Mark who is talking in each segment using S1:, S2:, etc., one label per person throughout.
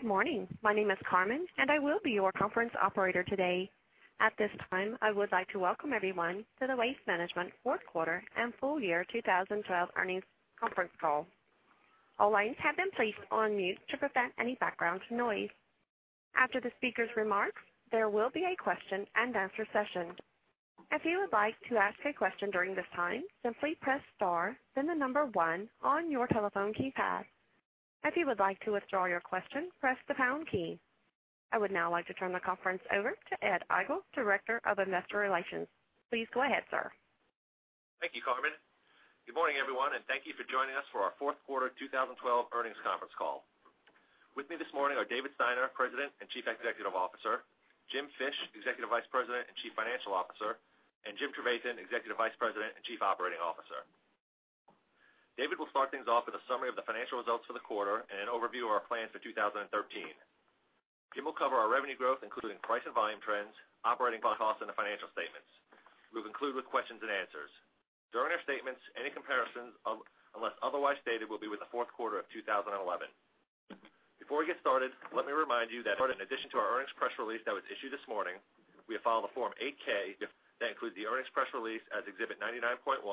S1: Good morning. My name is Carmen, I will be your conference operator today. At this time, I would like to welcome everyone to the Waste Management fourth quarter and full year 2012 earnings conference call. All lines have been placed on mute to prevent any background noise. After the speaker's remarks, there will be a question and answer session. If you would like to ask a question during this time, simply press star, then the number one on your telephone keypad. If you would like to withdraw your question, press the pound key. I would now like to turn the conference over to Ed Egl, Director of Investor Relations. Please go ahead, sir.
S2: Thank you, Carmen. Good morning, everyone, Thank you for joining us for our fourth quarter 2012 earnings conference call. With me this morning are David Steiner, President and Chief Executive Officer, Jim Fish, Executive Vice President and Chief Financial Officer, and Jim Trevathan, Executive Vice President and Chief Operating Officer. David will start things off with a summary of the financial results for the quarter and an overview of our plans for 2013. Jim will cover our revenue growth, including price and volume trends, operating costs, and the financial statements. We will conclude with questions and answers. During our statements, any comparisons, unless otherwise stated, will be with the fourth quarter of 2011. Before we get started, let me remind you that in addition to our earnings press release that was issued this morning, we have filed a Form 8-K that includes the earnings press release as Exhibit 99.1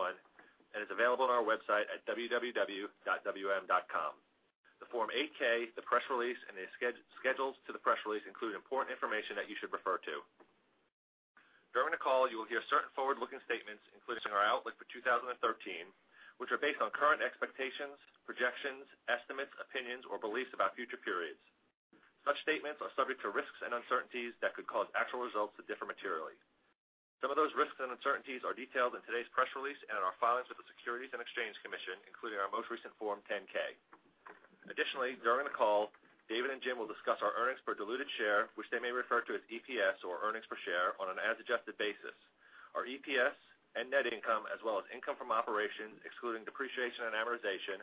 S2: and is available on our website at www.wm.com. The Form 8-K, the press release, and the schedules to the press release include important information that you should refer to. During the call, you will hear certain forward-looking statements, including our outlook for 2013, which are based on current expectations, projections, estimates, opinions, or beliefs about future periods. Such statements are subject to risks and uncertainties that could cause actual results to differ materially. Some of those risks and uncertainties are detailed in today's press release and in our filings with the Securities and Exchange Commission, including our most recent Form 10-K. Additionally, during the call, David and Jim will discuss our earnings per diluted share, which they may refer to as EPS or earnings per share on an as-adjusted basis. Our EPS and net income, as well as income from operations, excluding depreciation and amortization,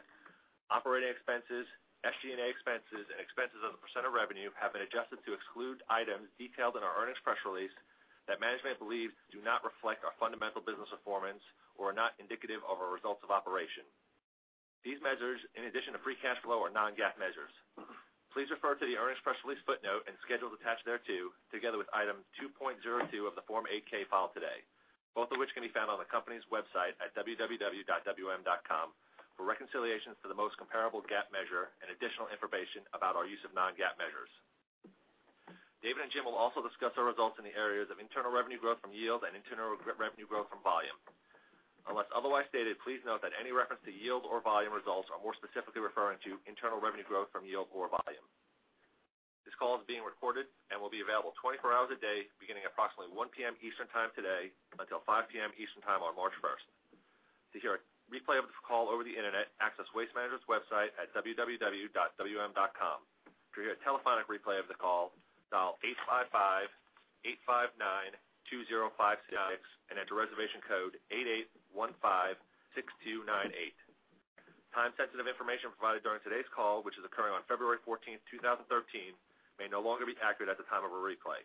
S2: operating expenses, SG&A expenses, and expenses as a % of revenue have been adjusted to exclude items detailed in our earnings press release that management believes do not reflect our fundamental business performance or are not indicative of our results of operation. These measures, in addition to free cash flow, are non-GAAP measures. Please refer to the earnings press release footnote and schedules attached thereto, together with Item 2.02 of the Form 8-K filed today, both of which can be found on the company's website at www.wm.com, for reconciliations to the most comparable GAAP measure and additional information about our use of non-GAAP measures. David and Jim will also discuss our results in the areas of internal revenue growth from yield and internal revenue growth from volume. Unless otherwise stated, please note that any reference to yield or volume results are more specifically referring to internal revenue growth from yield or volume. This call is being recorded and will be available 24 hours a day, beginning at approximately 1:00 P.M. Eastern time today until 5:00 P.M. Eastern time on March 1st. To hear a replay of this call over the internet, access Waste Management's website at www.wm.com. To hear a telephonic replay of the call, dial 855-859-2056 and enter reservation code 88156298. Time-sensitive information provided during today's call, which is occurring on February 14th, 2013, may no longer be accurate at the time of a replay.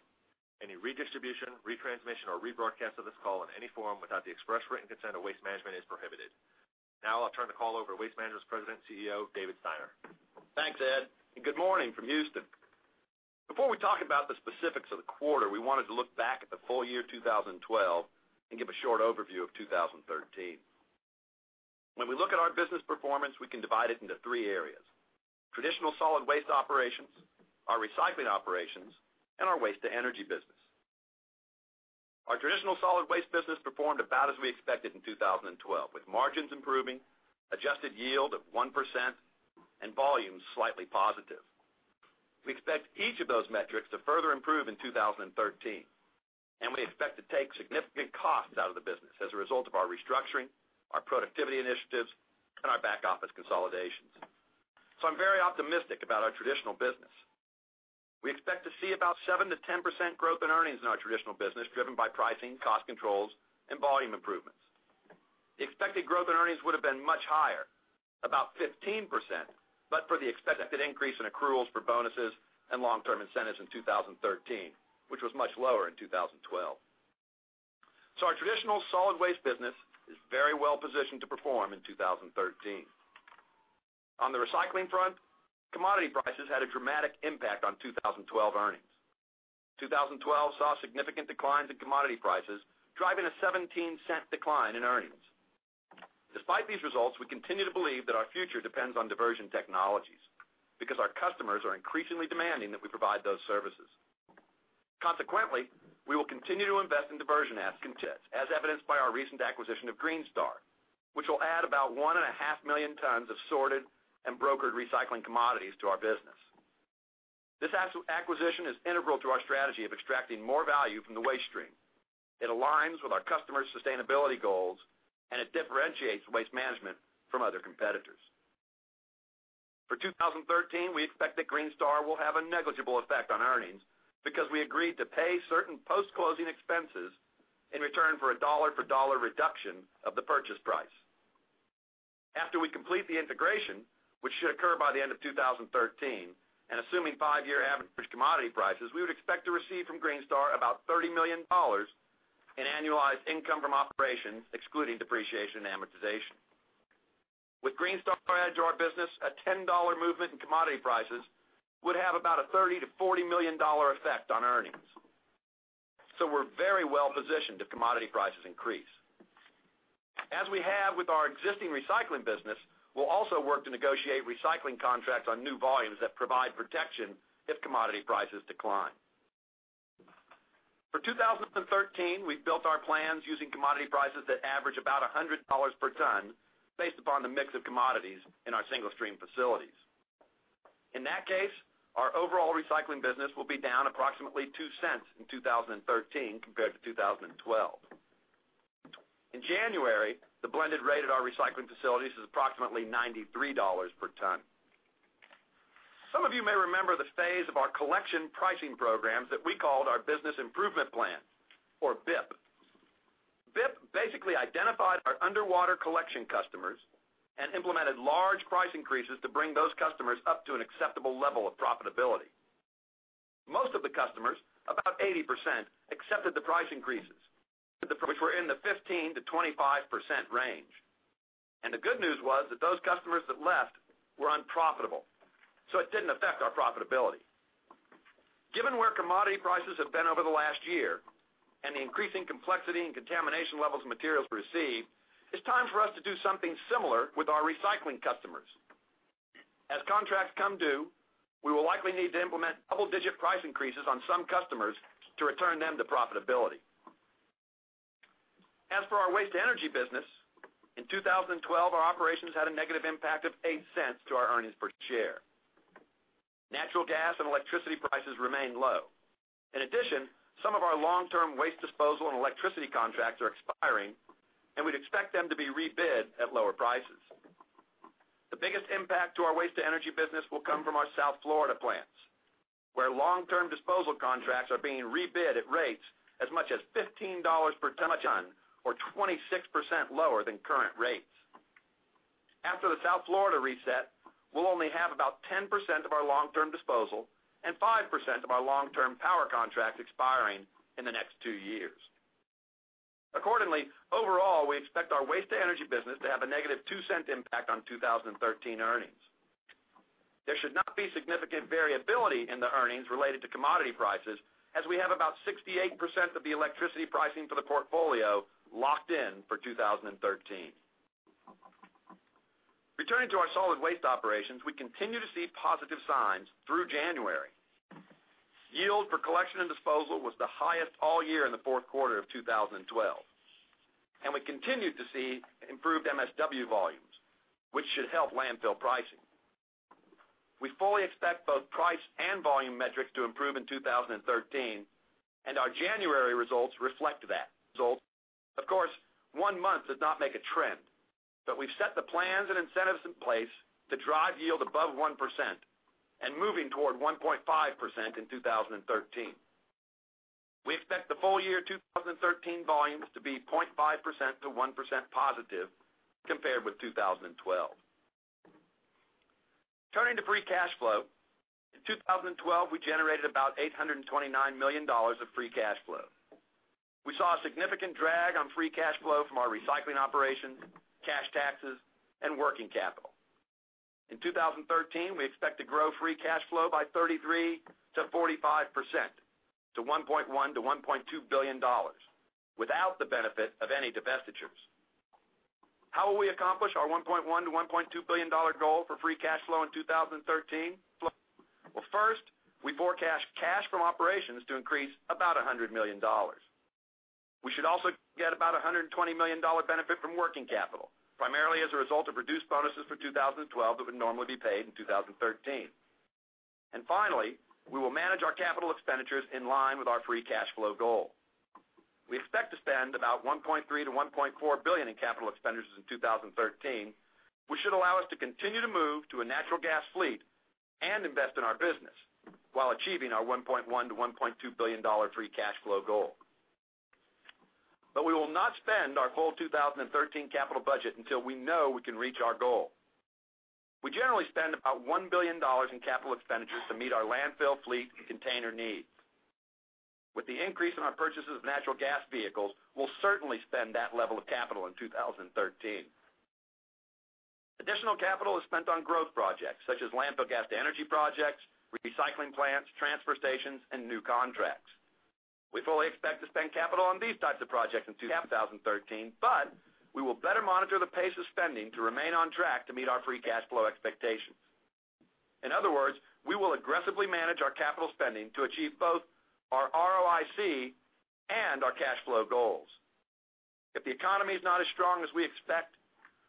S2: Any redistribution, retransmission, or rebroadcast of this call in any form without the express written consent of Waste Management is prohibited. Now I'll turn the call over to Waste Management's President and Chief Executive Officer, David Steiner.
S3: Thanks, Ed, and good morning from Houston. Before we talk about the specifics of the quarter, we wanted to look back at the full year 2012 and give a short overview of 2013. When we look at our business performance, we can divide it into three areas, traditional solid waste operations, our recycling operations, and our waste-to-energy business. Our traditional solid waste business performed about as we expected in 2012, with margins improving, adjusted yield of 1%, and volumes slightly positive. We expect each of those metrics to further improve in 2013, and we expect to take significant costs out of the business as a result of our restructuring, our productivity initiatives, and our back-office consolidations. I'm very optimistic about our traditional business. We expect to see about 7%-10% growth in earnings in our traditional business, driven by pricing, cost controls, and volume improvements. The expected growth in earnings would have been much higher, about 15%, but for the expected increase in accruals for bonuses and long-term incentives in 2013, which was much lower in 2012. Our traditional solid waste business is very well positioned to perform in 2013. On the recycling front, commodity prices had a dramatic impact on 2012 earnings. 2012 saw significant declines in commodity prices, driving a $0.17 decline in earnings. Despite these results, we continue to believe that our future depends on diversion technologies because our customers are increasingly demanding that we provide those services. Consequently, we will continue to invest in diversion assets, as evidenced by our recent acquisition of Greenstar, which will add about one and a half million tons of sorted and brokered recycling commodities to our business. This acquisition is integral to our strategy of extracting more value from the waste stream. It aligns with our customers' sustainability goals, and it differentiates Waste Management from other competitors. For 2013, we expect that Greenstar will have a negligible effect on earnings because we agreed to pay certain post-closing expenses in return for a dollar for dollar reduction of the purchase price. After we complete the integration, which should occur by the end of 2013, and assuming five-year average commodity prices, we would expect to receive from Greenstar about $30 million in annualized income from operations, excluding depreciation and amortization. With Greenstar added to our business, a $10 movement in commodity prices would have about a $30 million to $40 million effect on earnings. We're very well positioned if commodity prices increase. As we have with our existing recycling business, we'll also work to negotiate recycling contracts on new volumes that provide protection if commodity prices decline. For 2013, we've built our plans using commodity prices that average about $100 per ton based upon the mix of commodities in our single-stream facilities. In that case, our overall recycling business will be down approximately $0.02 in 2013 compared to 2012. In January, the blended rate at our recycling facilities is approximately $93 per ton. Some of you may remember the phase of our collection pricing programs that we called our Business Improvement Plan or BIP. BIP basically identified our underwater collection customers and implemented large price increases to bring those customers up to an acceptable level of profitability. Most of the customers, about 80%, accepted the price increases, which were in the 15%-25% range. The good news was that those customers that left were unprofitable, it didn't affect our profitability. Given where commodity prices have been over the last year and the increasing complexity and contamination levels of materials received, it's time for us to do something similar with our recycling customers. As contracts come due, we will likely need to implement double-digit price increases on some customers to return them to profitability. As for our waste-to-energy business, in 2012, our operations had a negative impact of $0.08 to our earnings per share. Natural gas and electricity prices remain low. In addition, some of our long-term waste disposal and electricity contracts are expiring, we'd expect them to be rebid at lower prices. The biggest impact to our waste-to-energy business will come from our South Florida plants, where long-term disposal contracts are being rebid at rates as much as $15 per ton or 26% lower than current rates. After the South Florida reset, we'll only have about 10% of our long-term disposal and 5% of our long-term power contracts expiring in the next two years. Overall, we expect our waste-to-energy business to have a negative $0.02 impact on 2013 earnings. There should not be significant variability in the earnings related to commodity prices, as we have about 68% of the electricity pricing for the portfolio locked in for 2013. Returning to our solid waste operations, we continue to see positive signs through January. Yield for collection and disposal was the highest all year in the fourth quarter of 2012, we continued to see improved MSW volumes, which should help landfill pricing. We fully expect both price and volume metrics to improve in 2013, our January results reflect that. Of course, one month does not make a trend, we've set the plans and incentives in place to drive yield above 1% and moving toward 1.5% in 2013. We expect the full year 2013 volumes to be 0.5% to 1% positive compared with 2012. Turning to free cash flow. In 2012, we generated about $829 million of free cash flow. We saw a significant drag on free cash flow from our recycling operations, cash taxes, and working capital. In 2013, we expect to grow free cash flow by 33%-45%, to $1.1 billion-$1.2 billion, without the benefit of any divestitures. How will we accomplish our $1.1 billion-$1.2 billion goal for free cash flow in 2013? First, we forecast cash from operations to increase about $100 million. We should also get about $120 million benefit from working capital, primarily as a result of reduced bonuses for 2012 that would normally be paid in 2013. Finally, we will manage our capital expenditures in line with our free cash flow goal. We expect to spend about $1.3 billion-$1.4 billion in capital expenditures in 2013, which should allow us to continue to move to a natural gas fleet and invest in our business while achieving our $1.1 billion-$1.2 billion free cash flow goal. We will not spend our full 2013 capital budget until we know we can reach our goal. We generally spend about $1 billion in capital expenditures to meet our landfill fleet and container needs. With the increase in our purchases of natural gas vehicles, we'll certainly spend that level of capital in 2013. Additional capital is spent on growth projects such as landfill gas to energy projects, recycling plants, transfer stations, and new contracts. We fully expect to spend capital on these types of projects in 2013, we will better monitor the pace of spending to remain on track to meet our free cash flow expectations. In other words, we will aggressively manage our capital spending to achieve both our ROIC and our cash flow goals. If the economy is not as strong as we expect,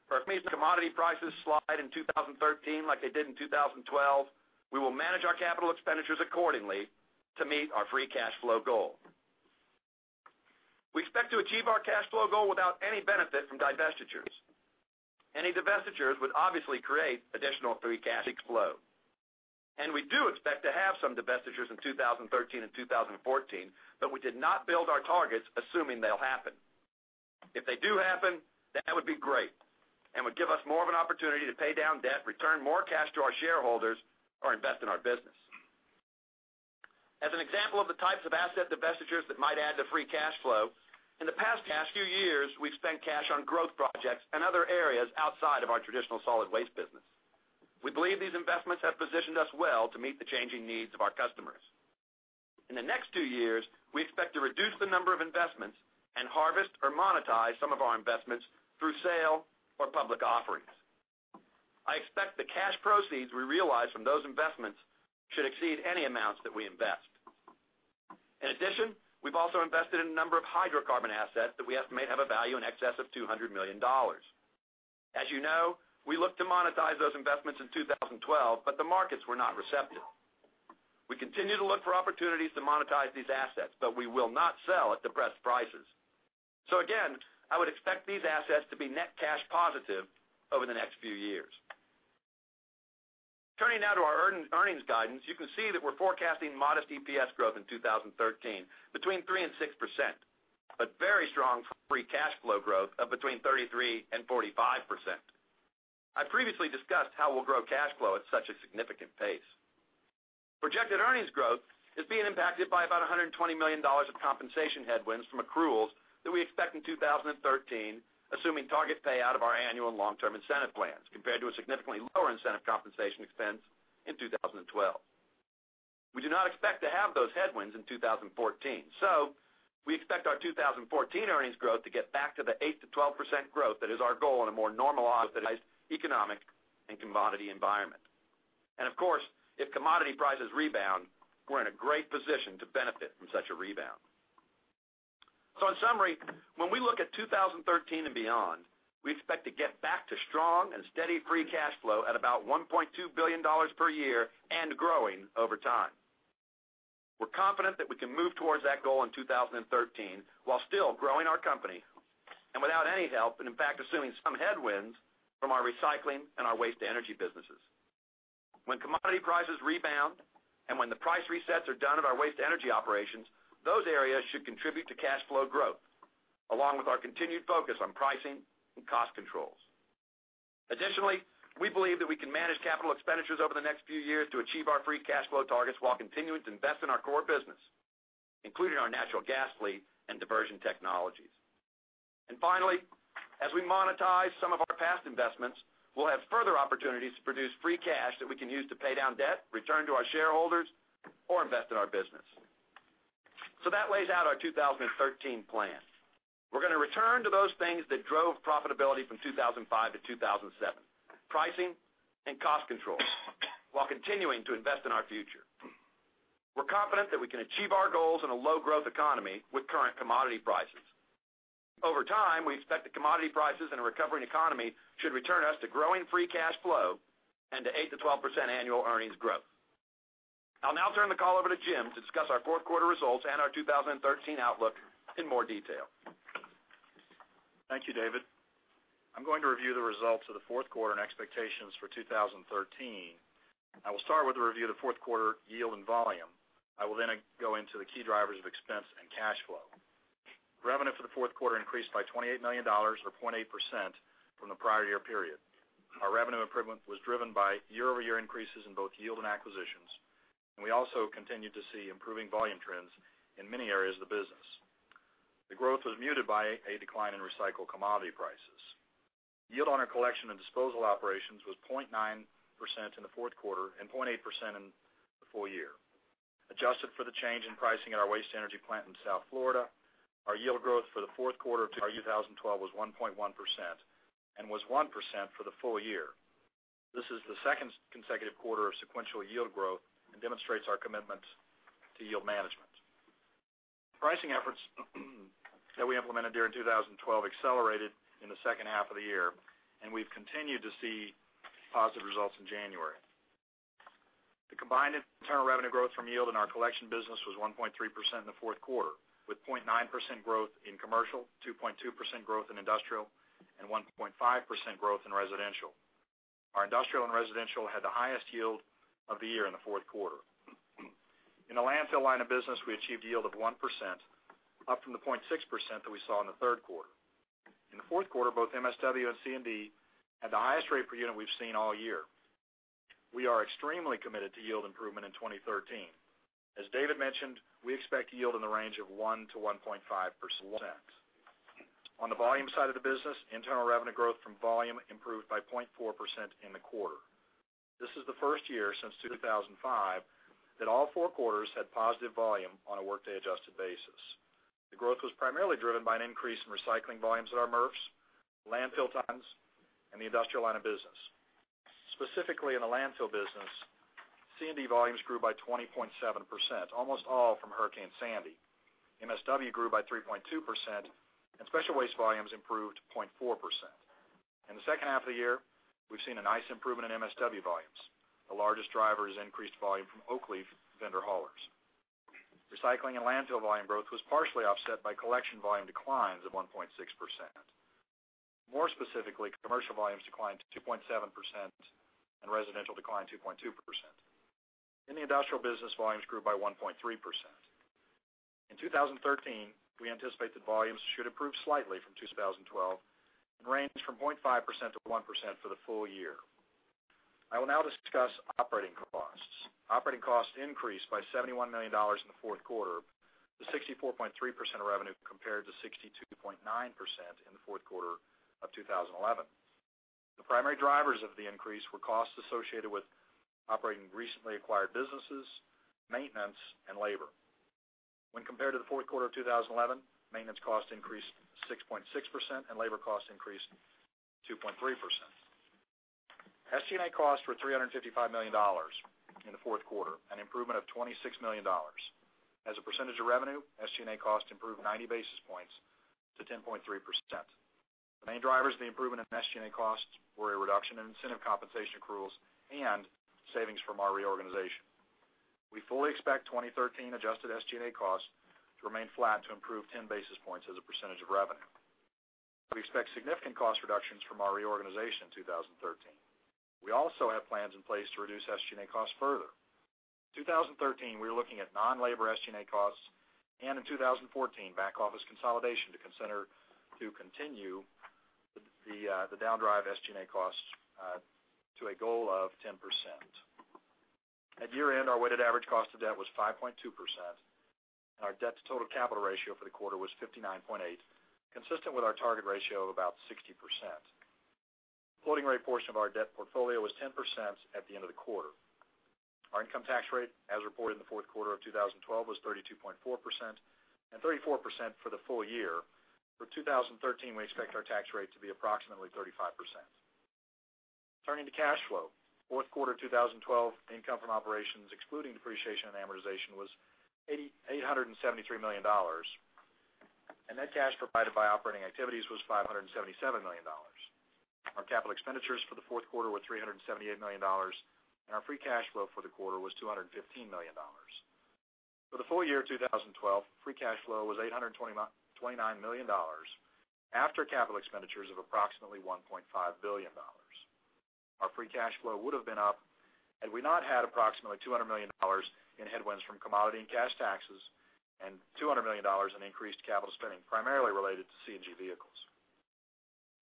S3: or if commodity prices slide in 2013 like they did in 2012, we will manage our capital expenditures accordingly to meet our free cash flow goal. We expect to achieve our cash flow goal without any benefit from divestitures. Any divestitures would obviously create additional free cash flow. We do expect to have some divestitures in 2013 and 2014, we did not build our targets assuming they'll happen. If they do happen, that would be great and would give us more of an opportunity to pay down debt, return more cash to our shareholders, or invest in our business. As an example of the types of asset divestitures that might add to free cash flow, in the past few years, we've spent cash on growth projects and other areas outside of our traditional solid waste business. We believe these investments have positioned us well to meet the changing needs of our customers. In the next two years, we expect to reduce the number of investments and harvest or monetize some of our investments through sale or public offerings. I expect the cash proceeds we realize from those investments should exceed any amounts that we invest. In addition, we've also invested in a number of hydrocarbon assets that we estimate have a value in excess of $200 million. As you know, we looked to monetize those investments in 2012, but the markets were not receptive. We continue to look for opportunities to monetize these assets, but we will not sell at depressed prices. Again, I would expect these assets to be net cash positive over the next few years. Turning now to our earnings guidance, you can see that we're forecasting modest EPS growth in 2013, between 3% and 6%, but very strong free cash flow growth of between 33% and 45%. I previously discussed how we'll grow cash flow at such a significant pace. Projected earnings growth is being impacted by about $120 million of compensation headwinds from accruals that we expect in 2013, assuming target payout of our annual and long-term incentive plans, compared to a significantly lower incentive compensation expense in 2012. We do not expect to have those headwinds in 2014, we expect our 2014 earnings growth to get back to the 8%-12% growth that is our goal in a more normalized economic and commodity environment. Of course, if commodity prices rebound, we're in a great position to benefit from such a rebound. In summary, when we look at 2013 and beyond, we expect to get back to strong and steady free cash flow at about $1.2 billion per year and growing over time. We're confident that we can move towards that goal in 2013 while still growing our company and without any help, and in fact, assuming some headwinds from our recycling and our waste-to-energy businesses. When commodity prices rebound and when the price resets are done at our waste-to-energy operations, those areas should contribute to cash flow growth, along with our continued focus on pricing and cost controls. Additionally, we believe that we can manage capital expenditures over the next few years to achieve our free cash flow targets while continuing to invest in our core business, including our natural gas fleet and diversion technologies. Finally, as we monetize some of our past investments, we'll have further opportunities to produce free cash that we can use to pay down debt, return to our shareholders, or invest in our business. That lays out our 2013 plan. We're going to return to those things that drove profitability from 2005 to 2007, pricing and cost controls, while continuing to invest in our future. We're confident that we can achieve our goals in a low growth economy with current commodity prices. Over time, we expect the commodity prices in a recovering economy should return us to growing free cash flow and to 8%-12% annual earnings growth. I'll now turn the call over to Jim to discuss our fourth quarter results and our 2013 outlook in more detail.
S4: Thank you, David. I'm going to review the results of the fourth quarter and expectations for 2013. I will start with a review of the fourth quarter yield and volume. I will then go into the key drivers of expense and cash flow. Revenue for the fourth quarter increased by $28 million, or 0.8%, from the prior year period. Our revenue improvement was driven by year-over-year increases in both yield and acquisitions. We also continued to see improving volume trends in many areas of the business. The growth was muted by a decline in recycled commodity prices. Yield on our collection and disposal operations was 0.9% in the fourth quarter and 0.8% in the full year. Adjusted for the change in pricing at our waste-to-energy plant in South Florida, our yield growth for the fourth quarter to our 2012 was 1.1% and was 1% for the full year. This is the second consecutive quarter of sequential yield growth and demonstrates our commitment to yield management. Pricing efforts that we implemented during 2012 accelerated in the second half of the year. We've continued to see positive results in January. The combined internal revenue growth from yield in our collection business was 1.3% in the fourth quarter, with 0.9% growth in commercial, 2.2% growth in industrial, and 1.5% growth in residential. Our industrial and residential had the highest yield of the year in the fourth quarter. In the landfill line of business, we achieved yield of 1%, up from the 0.6% that we saw in the third quarter. In the fourth quarter, both MSW and C&D had the highest rate per unit we've seen all year. We are extremely committed to yield improvement in 2013. As David mentioned, we expect yield in the range of 1% to 1.5%. On the volume side of the business, internal revenue growth from volume improved by 0.4% in the quarter. This is the first year since 2005 that all four quarters had positive volume on a workday adjusted basis. The growth was primarily driven by an increase in recycling volumes at our MRFs, landfill tons, and the industrial line of business. Specifically, in the landfill business, C&D volumes grew by 20.7%, almost all from Hurricane Sandy. MSW grew by 3.2%, and special waste volumes improved 0.4%. In the second half of the year, we've seen a nice improvement in MSW volumes. The largest driver is increased volume from Oakleaf vendor haulers. Recycling and landfill volume growth was partially offset by collection volume declines of 1.6%. More specifically, commercial volumes declined to 2.7% and residential declined 2.2%. In the industrial business, volumes grew by 1.3%. In 2013, we anticipate that volumes should improve slightly from 2012 and range from 0.5% to 1% for the full year. I will now discuss operating costs. Operating costs increased by $71 million in the fourth quarter to 64.3% of revenue compared to 62.9% in the fourth quarter of 2011. The primary drivers of the increase were costs associated with operating recently acquired businesses, maintenance, and labor. When compared to the fourth quarter of 2011, maintenance costs increased 6.6% and labor costs increased 2.3%. SG&A costs were $355 million in the fourth quarter, an improvement of $26 million. As a percentage of revenue, SG&A costs improved 90 basis points to 10.3%. The main drivers of the improvement in SG&A costs were a reduction in incentive compensation accruals and savings from our reorganization. We fully expect 2013 adjusted SG&A costs to remain flat to improve 10 basis points as a percentage of revenue. We expect significant cost reductions from our reorganization in 2013. We also have plans in place to reduce SG&A costs further. In 2013, we are looking at non-labor SG&A costs, in 2014, back office consolidation to continue the down drive SG&A costs to a goal of 10%. At year-end, our weighted average cost of debt was 5.2%, and our debt-to-total capital ratio for the quarter was 59.8, consistent with our target ratio of about 60%. Floating rate portion of our debt portfolio was 10% at the end of the quarter. Our income tax rate, as reported in the fourth quarter of 2012, was 32.4% and 34% for the full year. For 2013, we expect our tax rate to be approximately 35%. Turning to cash flow, fourth quarter 2012 income from operations, excluding depreciation and amortization, was $873 million. Net cash provided by operating activities was $577 million. Our capital expenditures for the fourth quarter were $378 million, and our free cash flow for the quarter was $215 million. For the full year 2012, free cash flow was $829 million after capital expenditures of approximately $1.5 billion. Our free cash flow would have been up had we not had approximately $200 million in headwinds from commodity and cash taxes and $200 million in increased capital spending, primarily related to CNG vehicles.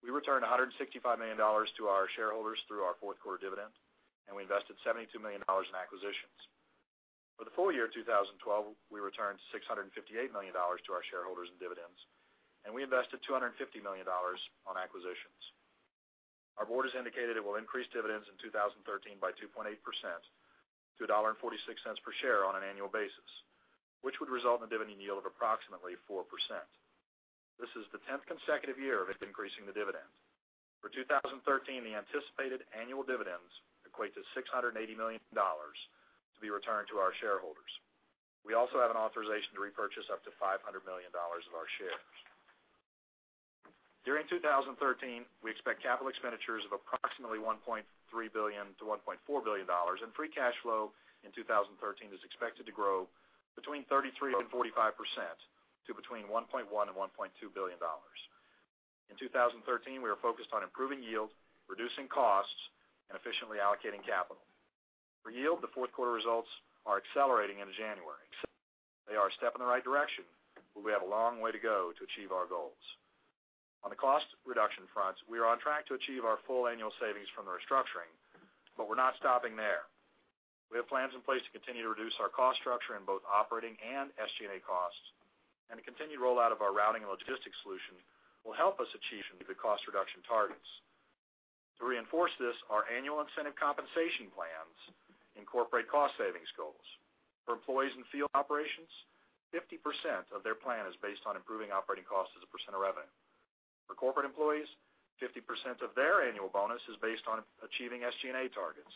S4: We returned $165 million to our shareholders through our fourth-quarter dividend. We invested $72 million in acquisitions. For the full year 2012, we returned $658 million to our shareholders in dividends. We invested $250 million on acquisitions. Our board has indicated it will increase dividends in 2013 by 2.8% to $1.46 per share on an annual basis, which would result in a dividend yield of approximately 4%. This is the 10th consecutive year of it increasing the dividend. For 2013, the anticipated annual dividends equate to $680 million to be returned to our shareholders. We also have an authorization to repurchase up to $500 million of our shares. During 2013, we expect capital expenditures of approximately $1.3 billion-$1.4 billion. Free cash flow in 2013 is expected to grow between 33% and 45% to between $1.1 billion and $1.2 billion. In 2013, we are focused on improving yield, reducing costs, and efficiently allocating capital. For yield, the fourth quarter results are accelerating into January. They are a step in the right direction, but we have a long way to go to achieve our goals. On the cost reduction front, we are on track to achieve our full annual savings from the restructuring, but we're not stopping there. We have plans in place to continue to reduce our cost structure in both operating and SG&A costs. The continued rollout of our routing and logistics solution will help us achieve the cost reduction targets. To reinforce this, our annual incentive compensation plans incorporate cost savings goals. For employees in field operations, 50% of their plan is based on improving operating costs as a percent of revenue. For corporate employees, 50% of their annual bonus is based on achieving SG&A targets.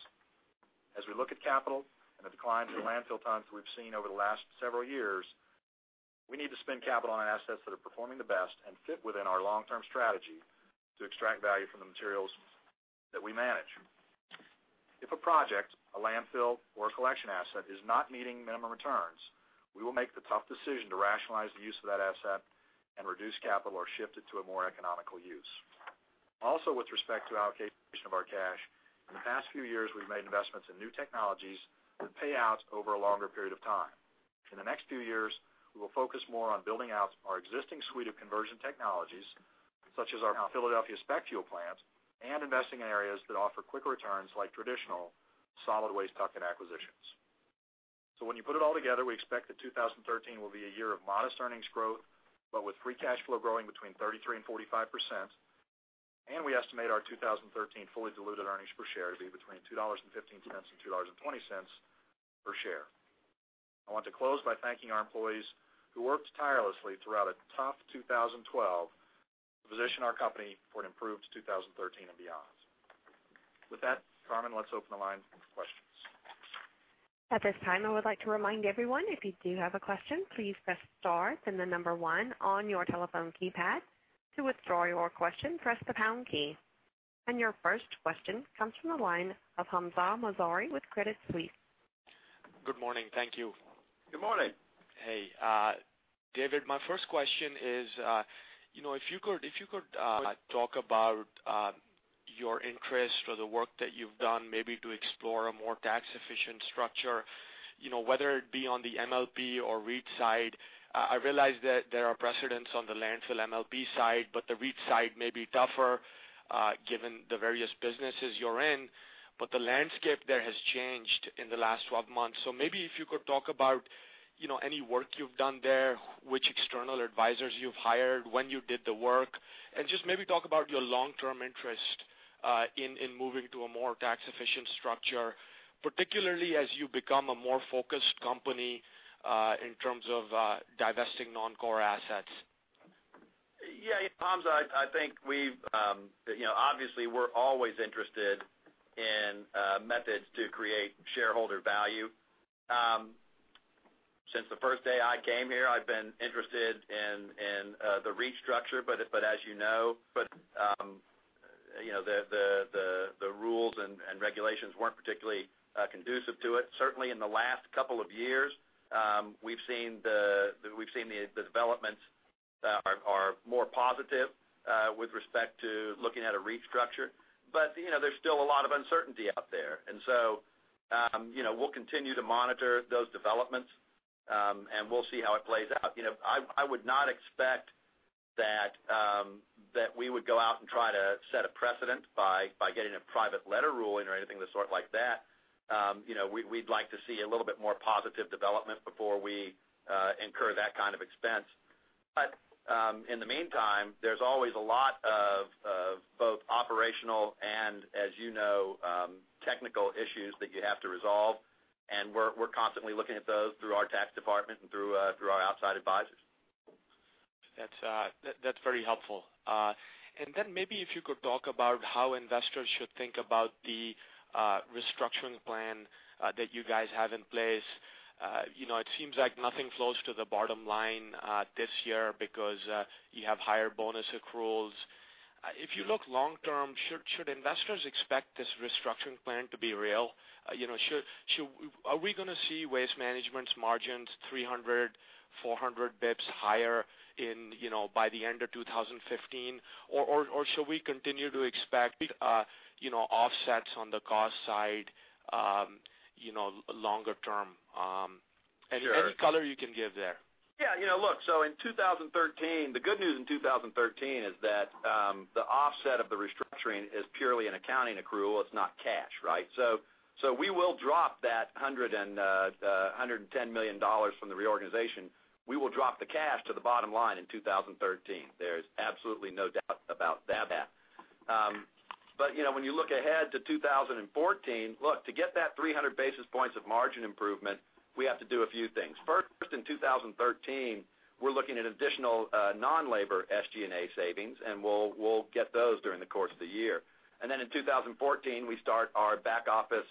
S4: As we look at capital and the declines in landfill tons we've seen over the last several years, we need to spend capital on assets that are performing the best and fit within our long-term strategy to extract value from the materials that we manage. If a project, a landfill, or a collection asset is not meeting minimum returns, we will make the tough decision to rationalize the use of that asset and reduce capital or shift it to a more economical use. Also, with respect to allocation of our cash, in the past few years, we've made investments in new technologies that pay out over a longer period of time. In the next few years, we will focus more on building out our existing suite of conversion technologies, such as our Philadelphia SPEC fuel plants, and investing in areas that offer quick returns like traditional solid waste tuck-in acquisitions. When you put it all together, we expect that 2013 will be a year of modest earnings growth, but with free cash flow growing between 33%-45%, and we estimate our 2013 fully diluted earnings per share to be between $2.15-$2.20 per share. I want to close by thanking our employees, who worked tirelessly throughout a tough 2012 to position our company for an improved 2013 and beyond. With that, Carmen, let's open the line for questions.
S1: At this time, I would like to remind everyone, if you do have a question, please press star, then the number 1 on your telephone keypad. To withdraw your question, press the pound key. Your first question comes from the line of Hamzah Mazari with Credit Suisse.
S5: Good morning, thank you.
S4: Good morning.
S5: Hey. David, my first question is if you could talk about your interest or the work that you've done, maybe to explore a more tax-efficient structure. Whether it be on the MLP or REIT side, I realize that there are precedents on the landfill MLP side, but the REIT side may be tougher given the various businesses you're in. The landscape there has changed in the last 12 months. Maybe if you could talk about any work you've done there, which external advisors you've hired, when you did the work, and just maybe talk about your long-term interest in moving to a more tax-efficient structure, particularly as you become a more focused company in terms of divesting non-core assets.
S3: Yeah, Hamzah, obviously we're always interested in methods to create shareholder value. Since the first day I came here, I've been interested in the REIT structure, but as you know, the rules and regulations weren't particularly conducive to it. Certainly in the last couple of years, we've seen the developments are more positive with respect to looking at a REIT structure. There's still a lot of uncertainty out there. We'll continue to monitor those developments, and we'll see how it plays out. I would not expect that we would go out and try to set a precedent by getting a private letter ruling or anything of the sort like that. We'd like to see a little bit more positive development before we incur that kind of expense. In the meantime, there's always a lot of both operational and, as you know, technical issues that you have to resolve, and we're constantly looking at those through our tax department and through our outside advisors.
S5: That's very helpful. Maybe if you could talk about how investors should think about the restructuring plan that you guys have in place. It seems like nothing flows to the bottom line this year because you have higher bonus accruals. If you look long term, should investors expect this restructuring plan to be real? Are we going to see Waste Management's margins 300, 400 basis points higher by the end of 2015? Shall we continue to expect big offsets on the cost side longer term?
S3: Sure.
S5: Any color you can give there?
S3: In 2013, the good news in 2013 is that the offset of the restructuring is purely an accounting accrual. It's not cash. We will drop that $110 million from the reorganization. We will drop the cash to the bottom line in 2013. There is absolutely no doubt about that. When you look ahead to 2014, look, to get that 300 basis points of margin improvement, we have to do a few things. First, in 2013, we're looking at additional non-labor SG&A savings, and we'll get those during the course of the year. In 2014, we start our back office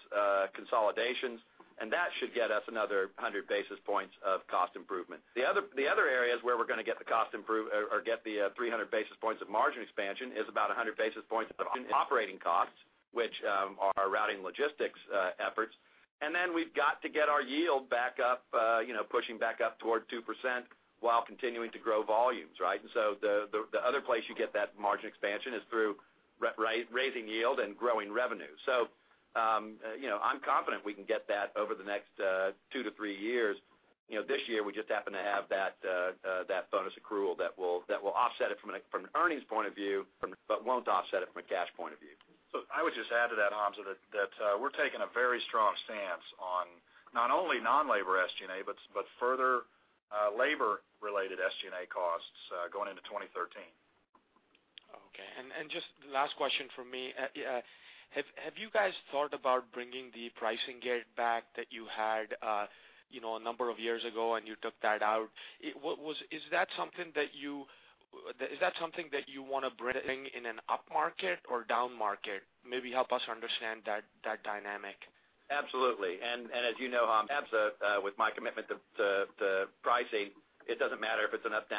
S3: consolidations, and that should get us another 100 basis points of cost improvement. The other areas where we're going to get the 300 basis points of margin expansion is about 100 basis points in operating costs, which are routing logistics efforts. We've got to get our yield back up, pushing back up toward 2% while continuing to grow volumes. The other place you get that margin expansion is through raising yield and growing revenue. I'm confident we can get that over the next two to three years. This year, we just happen to have that bonus accrual that will offset it from an earnings point of view, but won't offset it from a cash point of view.
S4: I would just add to that, Hamzah, that we're taking a very strong stance on not only non-labor SG&A, but further labor-related SG&A costs going into 2013.
S5: Okay, just last question from me. Have you guys thought about bringing the pricing gate back that you had a number of years ago and you took that out? Is that something that you want to bring in an up market or down market? Maybe help us understand that dynamic.
S3: Absolutely. As you know, Hamzah, with my commitment to pricing, it doesn't matter if it's an up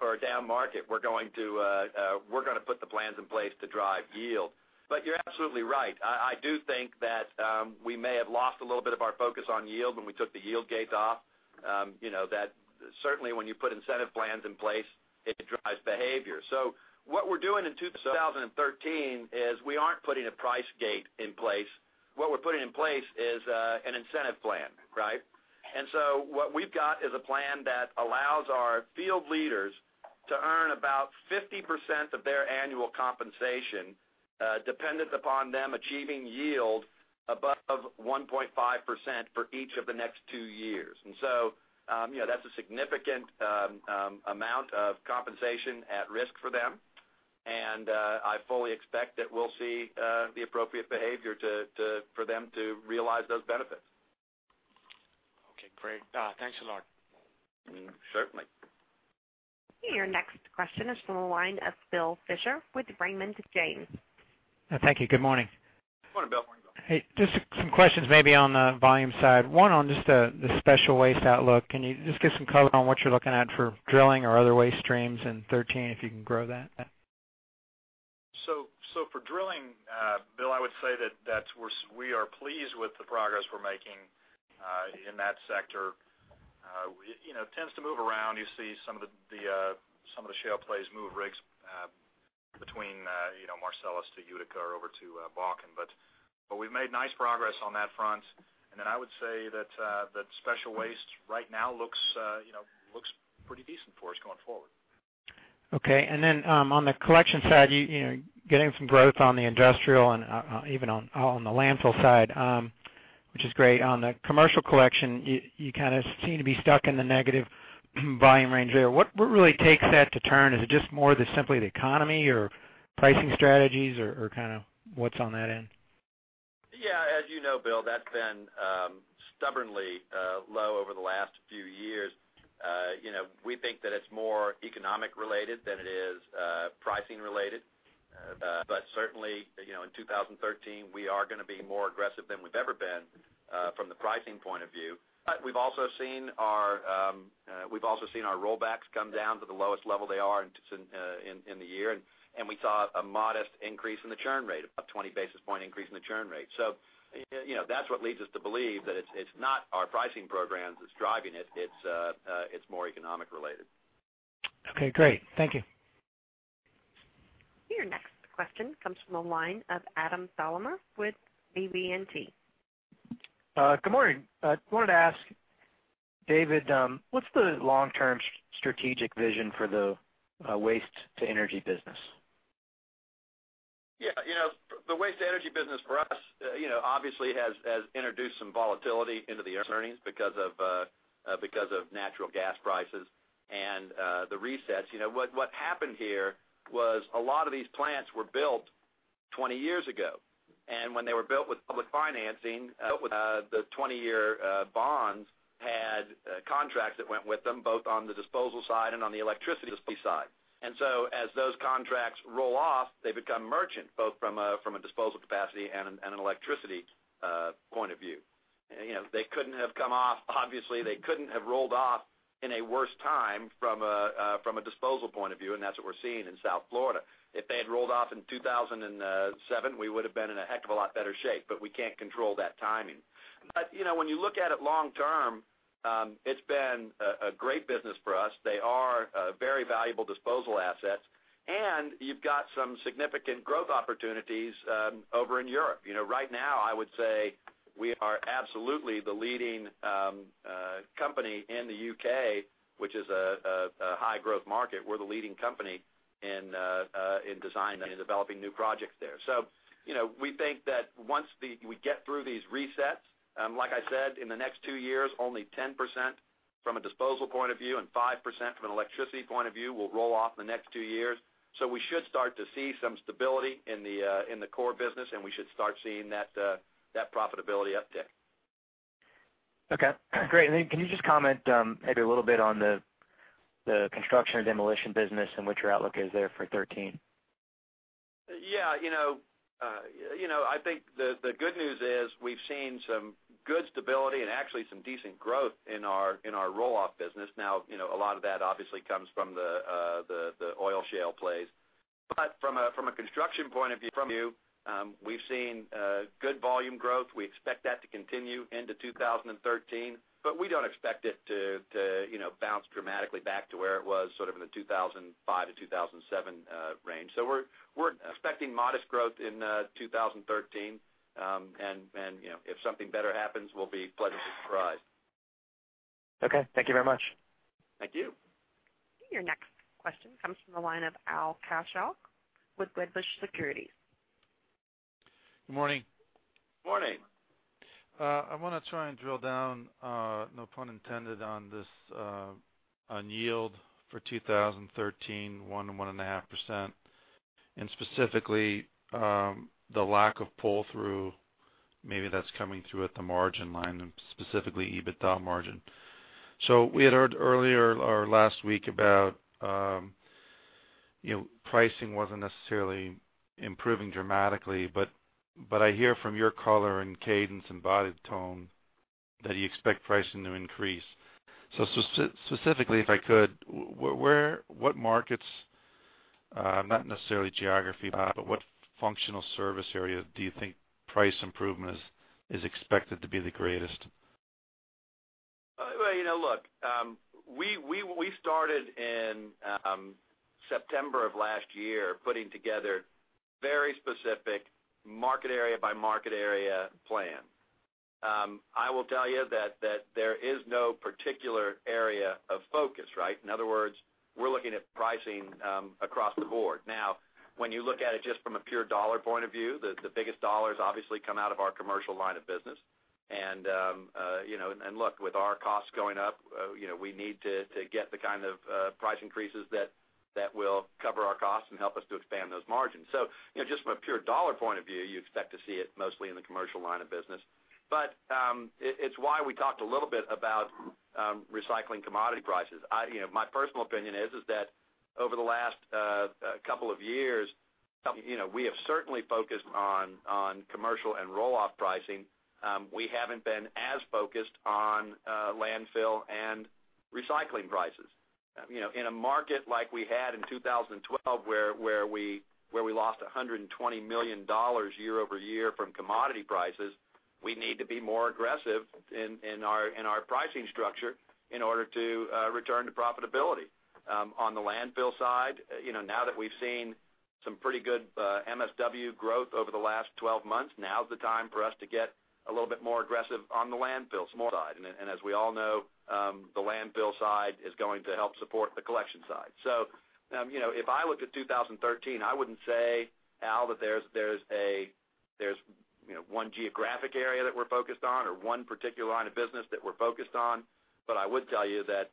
S3: or a down market, we're going to put the plans in place to drive yield. You're absolutely right. I do think that we may have lost a little bit of our focus on yield when we took the yield gates off. That certainly when you put incentive plans in place, it drives behavior. What we're doing in 2013 is we aren't putting a price gate in place. What we're putting in place is an incentive plan. What we've got is a plan that allows our field leaders to earn about 50% of their annual compensation dependent upon them achieving yield above 1.5% for each of the next two years. That's a significant amount of compensation at risk for them, and I fully expect that we'll see the appropriate behavior for them to realize those benefits.
S5: Okay, great. Thanks a lot.
S3: Certainly.
S1: Your next question is from the line of Bill Fisher with Raymond James.
S6: Thank you. Good morning.
S3: Morning, Bill.
S4: Morning, Bill.
S6: Hey, just some questions maybe on the volume side. One on just the special waste outlook. Can you just give some color on what you're looking at for drilling or other waste streams in 2013, if you can grow that?
S4: For drilling.
S3: Bill, I would say that we are pleased with the progress we're making in that sector. It tends to move around. You see some of the shale plays move rigs between Marcellus to Utica or over to Bakken. We've made nice progress on that front, and then I would say that special waste right now looks pretty decent for us going forward.
S6: Okay, on the collection side, getting some growth on the industrial and even on the landfill side, which is great. On the commercial collection, you seem to be stuck in the negative volume range there. What really takes that to turn? Is it just more simply the economy or pricing strategies or what's on that end?
S3: Yeah, as you know, Bill, that's been stubbornly low over the last few years. We think that it's more economic related than it is pricing related. Certainly, in 2013, we are going to be more aggressive than we've ever been from the pricing point of view. We've also seen our rollbacks come down to the lowest level they are in the year, and we saw a modest increase in the churn rate, about a 20 basis point increase in the churn rate. That's what leads us to believe that it's not our pricing programs that's driving it's more economic related.
S6: Okay, great. Thank you.
S1: Your next question comes from the line of Adam Solima with BB&T.
S7: Good morning. I wanted to ask David, what's the long-term strategic vision for the waste-to-energy business?
S3: Yeah. The waste-to-energy business for us obviously has introduced some volatility into the earnings because of natural gas prices and the resets. What happened here was a lot of these plants were built 20 years ago, and when they were built with public financing, built with the 20-year bonds, had contracts that went with them, both on the disposal side and on the electricity side. As those contracts roll off, they become merchant, both from a disposal capacity and an electricity point of view. Obviously, they couldn't have rolled off in a worse time from a disposal point of view, and that's what we're seeing in South Florida. If they had rolled off in 2007, we would've been in a heck of a lot better shape, but we can't control that timing. When you look at it long term, it's been a great business for us. They are very valuable disposal assets, and you've got some significant growth opportunities over in Europe. Right now, I would say we are absolutely the leading company in the U.K., which is a high-growth market. We're the leading company in design and in developing new projects there. We think that once we get through these resets, like I said, in the next two years, only 10% from a disposal point of view and 5% from an electricity point of view will roll off in the next two years. We should start to see some stability in the core business, and we should start seeing that profitability uptick.
S7: Okay, great. Can you just comment maybe a little bit on the construction and demolition business and what your outlook is there for 2013?
S3: Yeah. I think the good news is we've seen some good stability and actually some decent growth in our roll-off business. A lot of that obviously comes from the oil shale plays. From a construction point of view, we've seen good volume growth. We expect that to continue into 2013, but we don't expect it to bounce dramatically back to where it was in the 2005 to 2007 range. We're expecting modest growth in 2013. If something better happens, we'll be pleasantly surprised.
S7: Okay. Thank you very much.
S3: Thank you.
S1: Your next question comes from the line of Al Kaschock with Wedbush Securities.
S8: Good morning.
S3: Morning.
S8: I want to try and drill down, no pun intended, on yield for 2013, 1% to 1.5%, and specifically, the lack of pull-through, maybe that's coming through at the margin line and specifically EBITDA margin. We had heard earlier or last week about pricing wasn't necessarily improving dramatically, but I hear from your color and cadence and body tone that you expect pricing to increase. Specifically, if I could, what markets, not necessarily geography, but what functional service area do you think price improvement is expected to be the greatest?
S3: Look, we started in September of last year, putting together very specific market area by market area plan. I will tell you that there is no particular area of focus, right? In other words, we're looking at pricing across the board. When you look at it just from a pure dollar point of view, the biggest dollars obviously come out of our commercial line of business. Look, with our costs going up, we need to get the kind of price increases that will cover our costs and help us to expand those margins. Just from a pure dollar point of view, you expect to see it mostly in the commercial line of business. It's why we talked a little bit about recycling commodity prices. My personal opinion is that over the last couple of years, we have certainly focused on commercial and roll-off pricing. We haven't been as focused on landfill and recycling prices. In a market like we had in 2012, where we lost $120 million year-over-year from commodity prices, we need to be more aggressive in our pricing structure in order to return to profitability. On the landfill side, now that we've seen some pretty good MSW growth over the last 12 months, now's the time for us to get a little bit more aggressive on the landfill side. As we all know, the landfill side is going to help support the collection side. If I looked at 2013, I wouldn't say, Al, that there's one geographic area that we're focused on or one particular line of business that we're focused on, but I would tell you that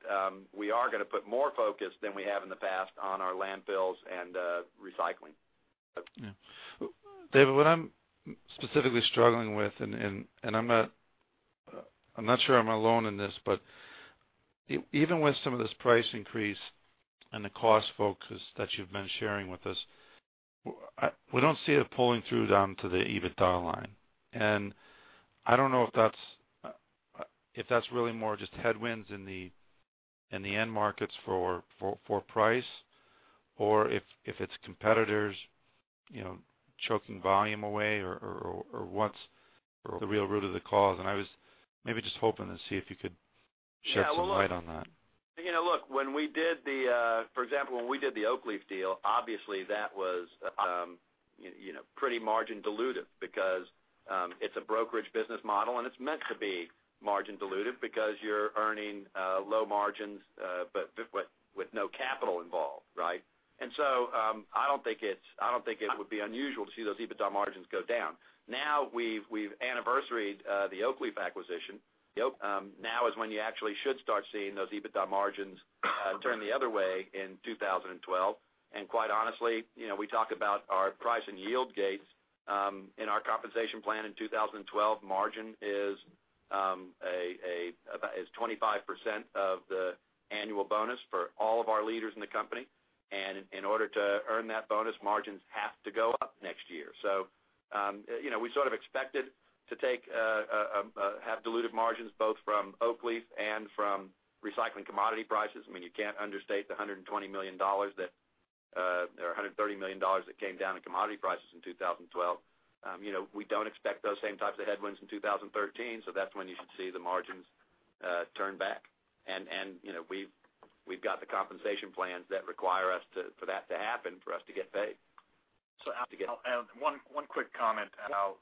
S3: we are going to put more focus than we have in the past on our landfills and recycling.
S8: Yeah. David, what I'm specifically struggling with, and I'm not sure I'm alone in this, but even with some of this price increase and the cost focus that you've been sharing with us, we don't see it pulling through down to the EBITDA line. I don't know if that's really more just headwinds in the end markets for price or if it's competitors choking volume away or what's the real root of the cause. I was maybe just hoping to see if you could shed some light on that.
S3: Look, for example, when we did the Oakleaf deal, obviously that was pretty margin dilutive because it's a brokerage business model, and it's meant to be margin dilutive because you're earning low margins, but with no capital involved, right? I don't think it would be unusual to see those EBITDA margins go down. Now we've anniversaried the Oakleaf acquisition. Now is when you actually should start seeing those EBITDA margins turn the other way in 2012. Quite honestly, we talk about our price and yield gates. In our compensation plan in 2012, margin is 25% of the annual bonus for all of our leaders in the company. In order to earn that bonus, margins have to go up next year. We sort of expected to have diluted margins both from Oakleaf and from recycling commodity prices. You can't understate the $120 million or $130 million that came down in commodity prices in 2012. We don't expect those same types of headwinds in 2013, so that's when you should see the margins turn back. We've got the compensation plans that require us for that to happen for us to get paid.
S4: One quick comment, Al.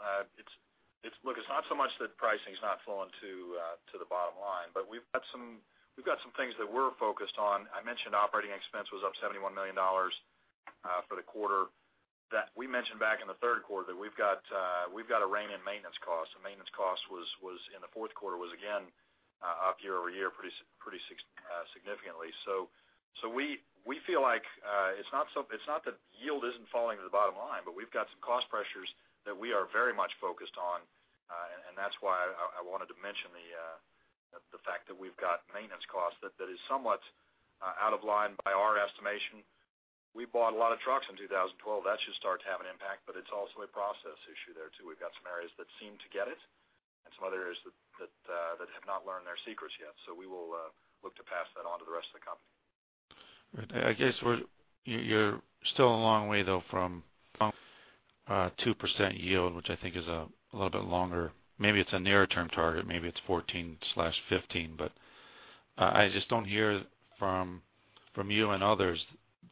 S4: Look, it's not so much that pricing's not flowing to the bottom line, but we've got some things that we're focused on. I mentioned operating expense was up $71 million for the quarter. We mentioned back in the third quarter that we've got to rein in maintenance cost. The maintenance cost in the fourth quarter was again up year-over-year, pretty significantly. We feel like it's not that yield isn't falling to the bottom line, but we've got some cost pressures that we are very much focused on, and that's why I wanted to mention the fact that we've got maintenance costs that is somewhat out of line by our estimation. We bought a lot of trucks in 2012. That should start to have an impact, but it's also a process issue there, too. We've got some areas that seem to get it and some other areas that have not learned their secrets yet. We will look to pass that on to the rest of the company.
S8: I guess you're still a long way, though, from 2% yield, which I think is a little bit longer. Maybe it's a near-term target. Maybe it's 2014/2015. I just don't hear from you and others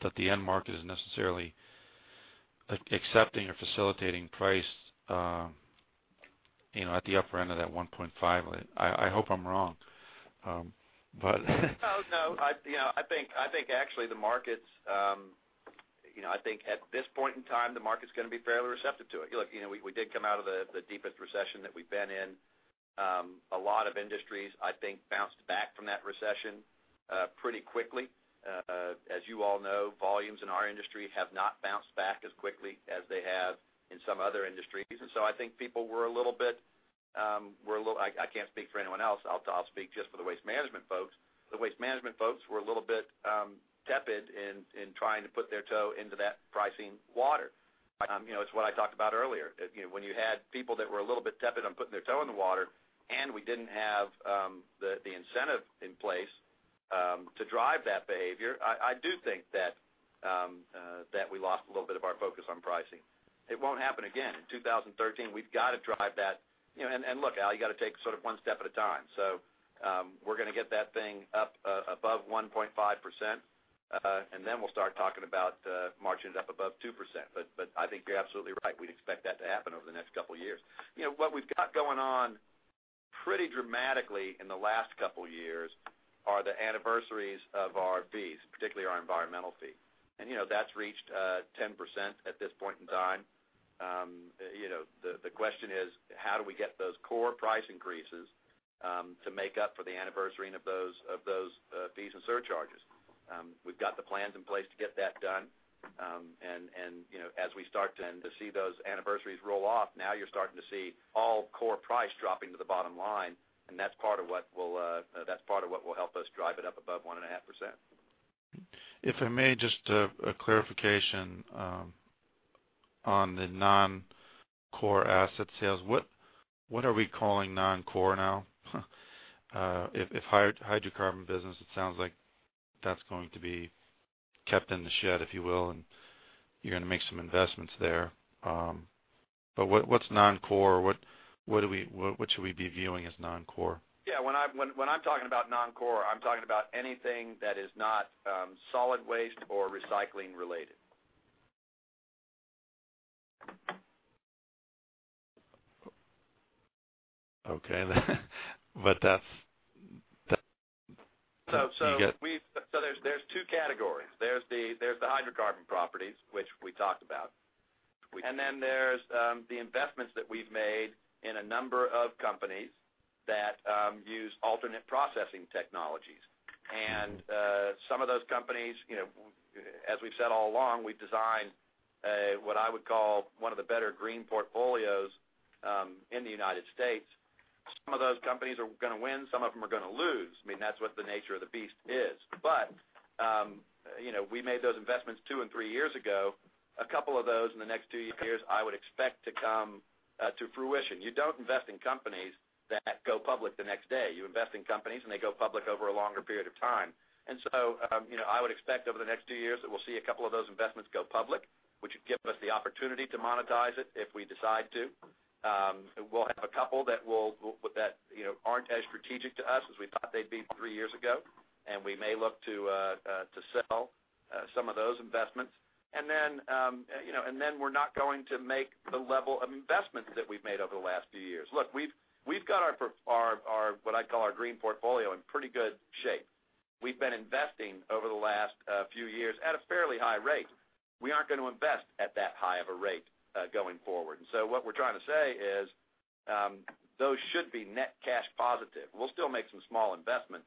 S8: that the end market is necessarily accepting or facilitating price at the upper end of that 1.5%.
S3: No, I think at this point in time, the market's going to be fairly receptive to it. We did come out of the deepest recession that we've been in. A lot of industries, I think, bounced back from that recession pretty quickly. As you all know, volumes in our industry have not bounced back as quickly as they have in some other industries. I think people were a little bit I can't speak for anyone else. I'll speak just for the Waste Management folks. The Waste Management folks were a little bit tepid in trying to put their toe into that pricing water. It's what I talked about earlier. When you had people that were a little bit tepid on putting their toe in the water, and we didn't have the incentive in place to drive that behavior, I do think that we lost a little bit of our focus on pricing. It won't happen again. In 2013, we've got to drive that. Al, you got to take one step at a time. We're going to get that thing up above 1.5%, and then we'll start talking about margins up above 2%. I think you're absolutely right. We'd expect that to happen over the next couple of years. What we've got going on pretty dramatically in the last couple years are the anniversaries of our fees, particularly our environmental fee. That's reached 10% at this point in time. The question is: how do we get those core price increases to make up for the anniversary of those fees and surcharges? We've got the plans in place to get that done. As we start to see those anniversaries roll off, now you're starting to see all core price dropping to the bottom line, and that's part of what will help us drive it up above 1.5%.
S8: If I may, just a clarification. On the non-core asset sales, what are we calling non-core now? If hydrocarbon business, it sounds like that's going to be kept in the shed, if you will, and you're going to make some investments there. What's non-core? What should we be viewing as non-core?
S3: Yeah, when I'm talking about non-core, I'm talking about anything that is not solid waste or recycling related.
S8: Okay. That's
S3: There's 2 categories. There's the hydrocarbon properties, which we talked about. There's the investments that we've made in a number of companies that use alternate processing technologies. Some of those companies, as we've said all along, we've designed what I would call one of the better green portfolios in the United States. Some of those companies are going to win, some of them are going to lose. That's what the nature of the beast is. We made those investments two and three years ago. A couple of those in the next two years, I would expect to come to fruition. You don't invest in companies that go public the next day. You invest in companies, they go public over a longer period of time. I would expect over the next two years that we'll see a couple of those investments go public, which would give us the opportunity to monetize it if we decide to. We'll have a couple that aren't as strategic to us as we thought they'd be three years ago, and we may look to sell some of those investments. We're not going to make the level of investments that we've made over the last few years. Look, we've got what I call our green portfolio in pretty good shape. We've been investing over the last few years at a fairly high rate. We aren't going to invest at that high of a rate going forward. What we're trying to say is those should be net cash positive. We'll still make some small investments,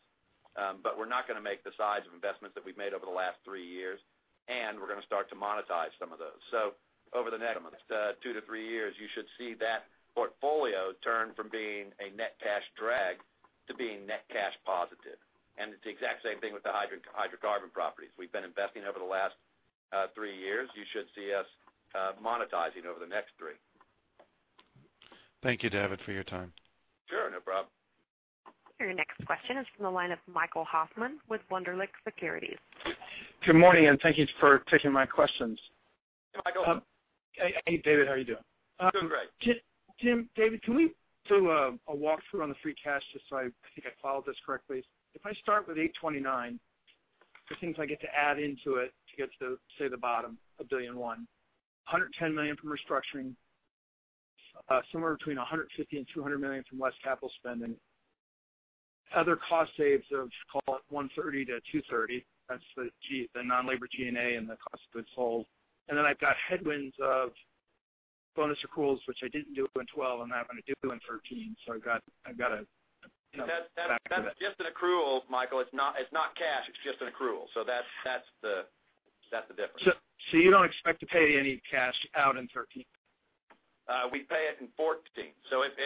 S3: but we're not going to make the size of investments that we've made over the last three years, and we're going to start to monetize some of those. Over the next two to three years, you should see that portfolio turn from being a net cash drag to being net cash positive. It's the exact same thing with the hydrocarbon properties. We've been investing over the last three years. You should see us monetizing over the next three.
S8: Thank you, David, for your time.
S3: Sure. No problem.
S1: Your next question is from the line of Michael Hoffman with Wunderlich Securities.
S9: Good morning. Thank you for taking my questions.
S3: Hey, Michael.
S9: Hey, David. How are you doing?
S3: Doing great.
S9: David, can we do a walkthrough on the free cash just so I think I followed this correctly? If I start with $829, the things I get to add into it to get to, say, the bottom, $1.1 billion. $110 million from restructuring, somewhere between $150 million and $200 million from less capital spending. Other cost saves of, just call it $130-$230. That's the non-labor G&A and the cost of goods sold. Then I've got headwinds of bonus accruals, which I didn't do in 2012, and I'm going to do in 2013. I've got.
S3: That's just an accrual, Michael. It's not cash, it's just an accrual. That's the difference.
S9: You don't expect to pay any cash out in 2013?
S3: We pay it in 2014.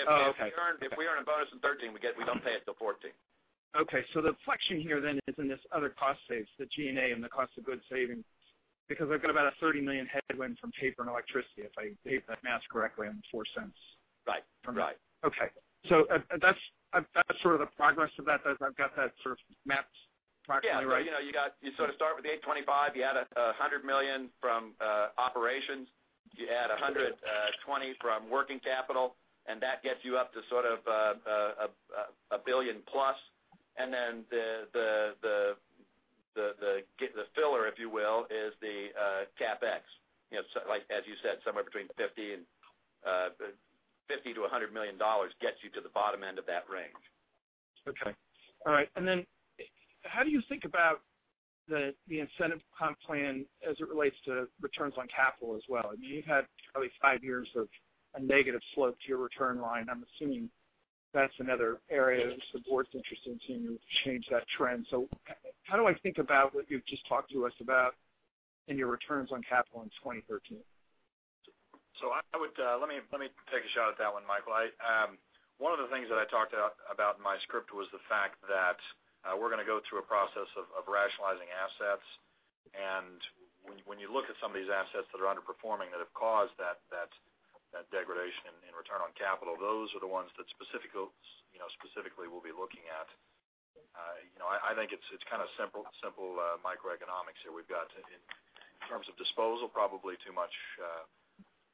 S9: Oh, okay.
S3: If we earn a bonus in 2013, we don't pay it till 2014.
S9: Okay. The flexion here then is in this other cost saves, the G&A and the cost of goods savings, because I've got about a $30 million headwind from paper and electricity, if I did that math correctly on the $0.04.
S3: Right.
S9: Okay. That's sort of the progress of that, as I've got that sort of mapped approximately right?
S3: Yeah. You sort of start with the $825, you add $100 million from operations, you add $120 from working capital, that gets you up to sort of a $1 billion plus. Then the filler, if you will, is the CapEx. As you said, somewhere between $50 million to $100 million gets you to the bottom end of that range.
S9: Okay. All right. Then how do you think about the incentive comp plan as it relates to returns on capital as well? You've had probably five years of a negative slope to your return line. I'm assuming that's another area the support's interested in seeing you change that trend. How do I think about what you've just talked to us about in your returns on capital in 2013?
S4: Let me take a shot at that one, Michael Hoffman. One of the things that I talked about in my script was the fact that we're going to go through a process of rationalizing assets. When you look at some of these assets that are underperforming that have caused that degradation in return on capital, those are the ones that specifically we'll be looking at. I think it's kind of simple microeconomics here. We've got, in terms of disposal, probably too much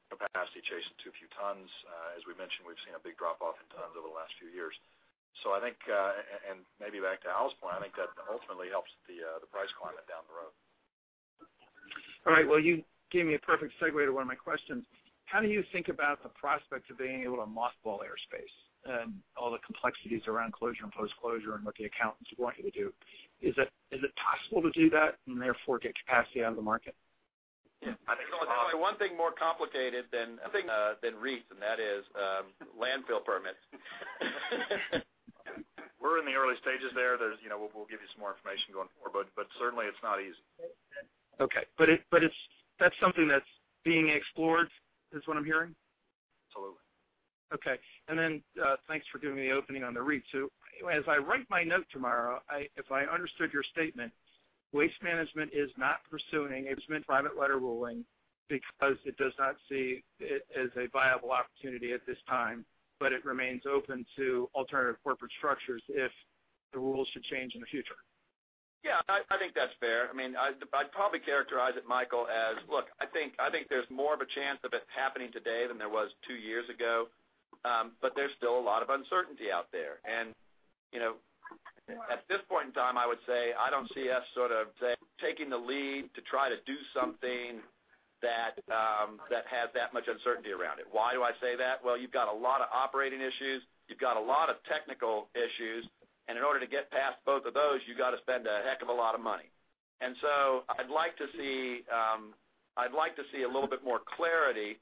S4: capacity chasing too few tons. As we mentioned, we've seen a big drop-off in tons over the last few years. Maybe back to Al's point, I think that ultimately helps the price climate down the road.
S9: Well, you gave me a perfect segue to one of my questions. How do you think about the prospect of being able to mothball airspace and all the complexities around closure and post-closure and what the accountants want you to do? Is it possible to do that and therefore get capacity out of the market?
S3: If there's one thing more complicated than REITs, that is landfill permits.
S4: We're in the early stages there. We'll give you some more information going forward, certainly it's not easy.
S9: Okay. That's something that's being explored, is what I'm hearing?
S4: Absolutely.
S9: Okay. Thanks for giving the opening on the REIT. As I write my note tomorrow, if I understood your statement, Waste Management is not pursuing a private letter ruling because it does not see it as a viable opportunity at this time, but it remains open to alternative corporate structures if the rules should change in the future.
S3: Yeah, I think that's fair. I'd probably characterize it, Michael, as, look, I think there's more of a chance of it happening today than there was two years ago, but there's still a lot of uncertainty out there. At this point in time, I would say, I don't see us taking the lead to try to do something that has that much uncertainty around it. Why do I say that? Well, you've got a lot of operating issues, you've got a lot of technical issues, and in order to get past both of those, you've got to spend a heck of a lot of money. I'd like to see a little bit more clarity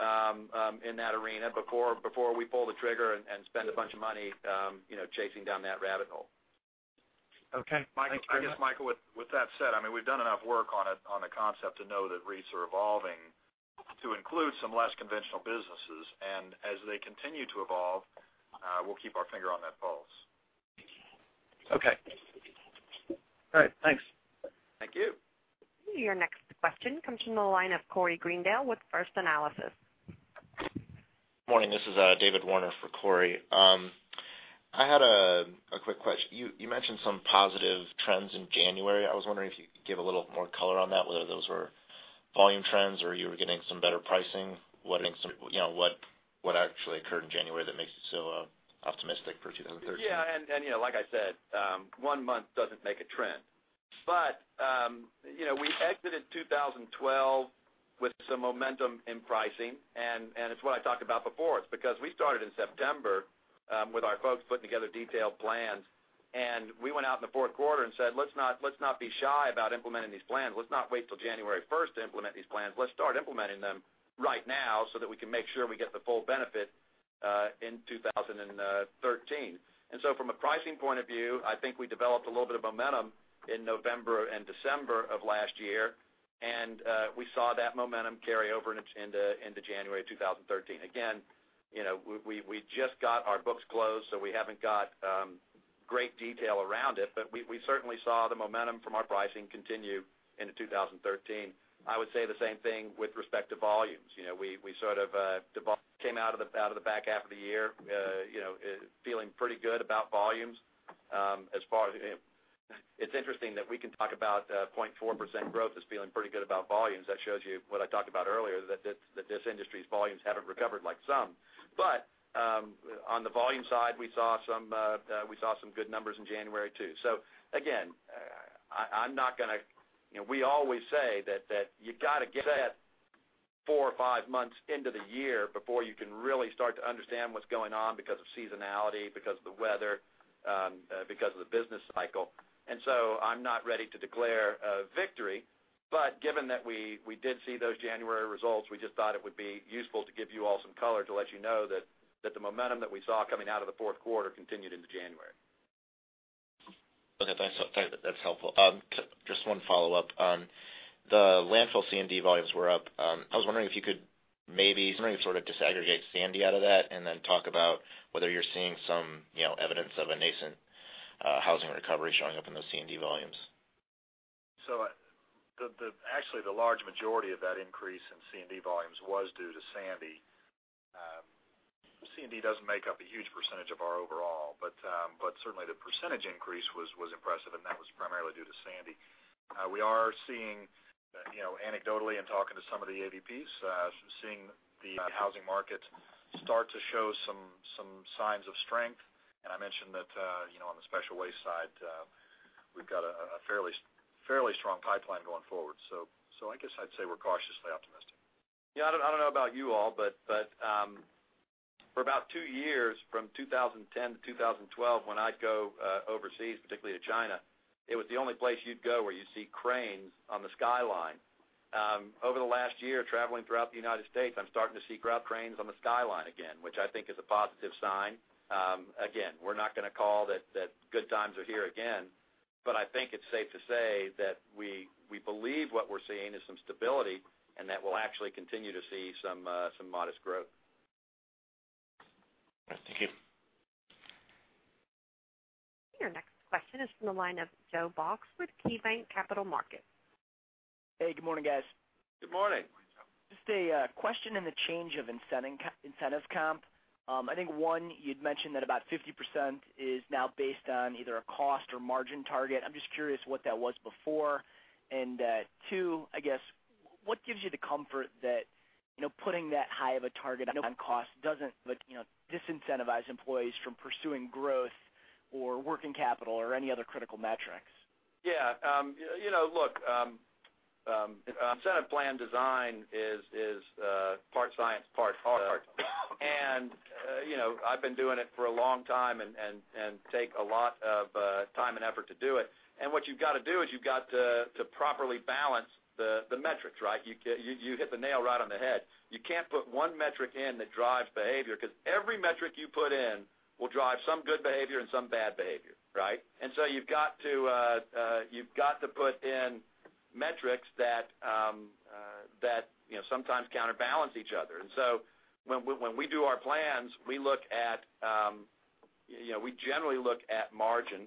S3: in that arena before we pull the trigger and spend a bunch of money chasing down that rabbit hole.
S9: Okay. Thanks very much.
S3: I guess, Michael, with that said, we've done enough work on the concept to know that REITs are evolving to include some less conventional businesses. As they continue to evolve, we'll keep our finger on that pulse.
S9: Okay. All right, thanks.
S3: Thank you.
S1: Your next question comes from the line of Corey Greendale with First Analysis.
S10: Morning, this is David Warner for Corey. I had a quick question. You mentioned some positive trends in January. I was wondering if you could give a little more color on that, whether those were volume trends or you were getting some better pricing. What actually occurred in January that makes you so optimistic for 2013?
S3: Yeah, like I said, one month doesn't make a trend. We exited 2012 with some momentum in pricing. It's what I talked about before. It's because we started in September with our folks putting together detailed plans, and we went out in the fourth quarter and said, "Let's not be shy about implementing these plans. Let's not wait till January 1st to implement these plans. Let's start implementing them right now so that we can make sure we get the full benefit in 2013." From a pricing point of view, I think we developed a little bit of momentum in November and December of last year, and we saw that momentum carry over into January 2013. Again, we just got our books closed, so we haven't got great detail around it, but we certainly saw the momentum from our pricing continue into 2013. I would say the same thing with respect to volumes. The volume came out of the back half of the year, feeling pretty good about volumes. It's interesting that we can talk about 0.4% growth as feeling pretty good about volumes. That shows you what I talked about earlier, that this industry's volumes haven't recovered like some. On the volume side, we saw some good numbers in January, too. Again, we always say that you got to get four or five months into the year before you can really start to understand what's going on because of seasonality, because of the weather, because of the business cycle. I'm not ready to declare a victory, but given that we did see those January results, we just thought it would be useful to give you all some color to let you know that the momentum that we saw coming out of the fourth quarter continued into January.
S10: Okay, that's helpful. Just one follow-up. The landfill C&D volumes were up. I was wondering if you could maybe sort of disaggregate Sandy out of that, and then talk about whether you're seeing some evidence of a nascent housing recovery showing up in those C&D volumes.
S4: Actually the large majority of that increase in C&D volumes was due to Sandy. C&D doesn't make up a huge percentage of our overall, but certainly the percentage increase was impressive, and that was primarily due to Sandy. We are seeing, anecdotally, in talking to some of the AVPs, seeing the housing market start to show some signs of strength. I mentioned that on the special waste side, we've got a fairly strong pipeline going forward. I guess I'd say we're cautiously optimistic.
S3: Yeah, I don't know about you all, but for about two years, from 2010 to 2012, when I'd go overseas, particularly to China, it was the only place you'd go where you see cranes on the skyline. Over the last year, traveling throughout the U.S., I'm starting to see growth cranes on the skyline again, which I think is a positive sign. We're not going to call that good times are here again, but I think it's safe to say that we believe what we're seeing is some stability, and that we'll actually continue to see some modest growth.
S10: Thank you.
S1: Your next question is from the line of Joe Box with KeyBanc Capital Markets.
S11: Hey, good morning, guys.
S3: Good morning.
S4: Good morning, Joe.
S11: Just a question in the change of incentives comp. I think one, you'd mentioned that about 50% is now based on either a cost or margin target. I'm just curious what that was before. Two, I guess, what gives you the comfort that putting that high of a target on cost doesn't disincentivize employees from pursuing growth or working capital or any other critical metrics?
S3: Look, incentive plan design is part science, part art. I've been doing it for a long time and take a lot of time and effort to do it. What you've got to do is you've got to properly balance the metrics, right? You hit the nail right on the head. You can't put one metric in that drives behavior because every metric you put in will drive some good behavior and some bad behavior, right? You've got to put in metrics that sometimes counterbalance each other. When we do our plans, we generally look at margin,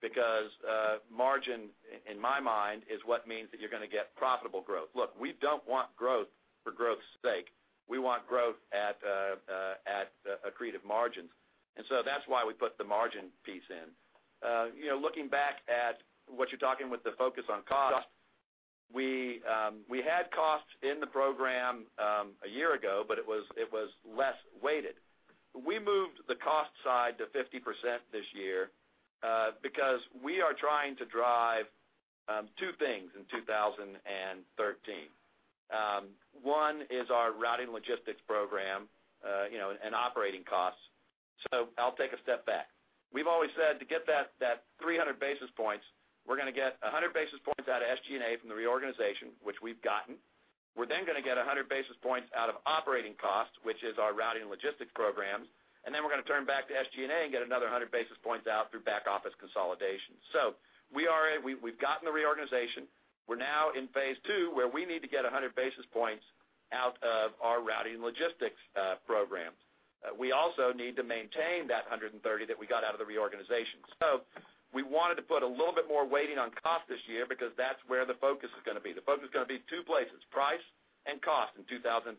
S3: because margin, in my mind, is what means that you're going to get profitable growth. Look, we don't want growth for growth's sake. We want growth at accretive margins. That's why we put the margin piece in. Looking back at what you're talking with the focus on cost, we had costs in the program a year ago, but it was less weighted. We moved the cost side to 50% this year because we are trying to drive two things in 2013. One is our routing logistics program and operating costs. I'll take a step back. We've always said to get that 300 basis points, we're going to get 100 basis points out of SG&A from the reorganization, which we've gotten. We're then going to get 100 basis points out of operating costs, which is our routing logistics programs, we're going to turn back to SG&A and get another 100 basis points out through back office consolidation. We've gotten the reorganization. We're now in phase 2, where we need to get 100 basis points out of our routing logistics programs. We also need to maintain that 130 that we got out of the reorganization. We wanted to put a little bit more weighting on cost this year because that's where the focus is going to be. The focus is going to be two places, price and cost in 2013, and